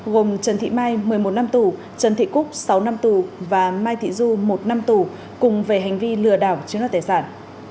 gồm trần thị mai trần thị cúc và mai thị du cùng về hành vi lừa đảo chiến đấu tài sản